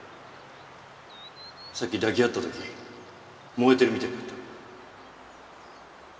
さっき抱き合った時燃えてるみたいだった。